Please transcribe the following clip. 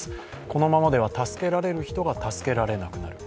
このままでは助けられる人が助けられなくなる。